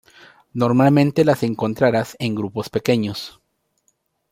Normalmente las encontrarás en grupos pequeños.